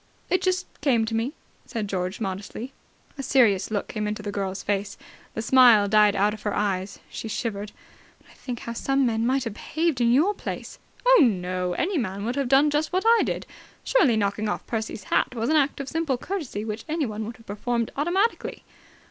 "It just came to me," said George modestly. A serious look came into the girl's face. The smile died out of her eyes. She shivered. "When I think how some men might have behaved in your place!" "Oh, no. Any man would have done just what I did. Surely, knocking off Percy's hat was an act of simple courtesy which anyone would have performed automatically!"